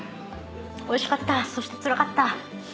おいしかったそしてつらかった。